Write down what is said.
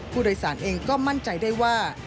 ผู้โดยสารเองก็มั่นใจได้ว่า